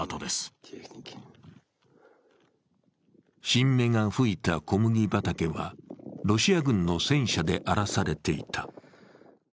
新芽が吹いた小麦畑はロシア軍の戦車で荒らされていた。